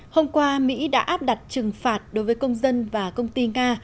hôm qua mỹ đã áp đặt trừng phạt đối với công dân và công ty nga